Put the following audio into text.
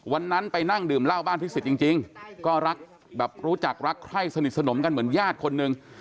วันนั้นไปนั่งดื่มเหล้าบ้านพิสิทธิ์จริงก็รักแบบรู้จักรักใคร่สนิทสนมกันเหมือนญาติคนหนึ่ง